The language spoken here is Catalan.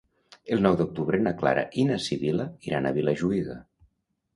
El nou d'octubre na Clara i na Sibil·la iran a Vilajuïga.